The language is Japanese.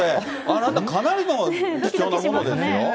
あなた、かなりの貴重なものですよ。